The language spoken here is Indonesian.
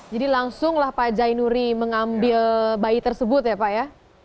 jadi langsunglah pak jainuri mengambil bayi tersebut ya pak ya